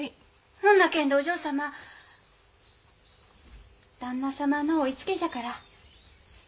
ほんなけんどお嬢様旦那様のお言いつけじゃから。